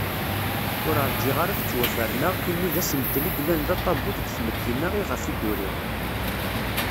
Ur rǧiɣ ara ad ttwaferneɣ imi d asentel i yellan d aṭabu deg tmetti-nneɣ i ɣef i d-uriɣ.